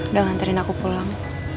udah nganterin aku pulang